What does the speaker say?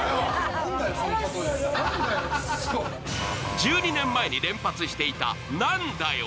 １２年前に連発していた「なんだよ」。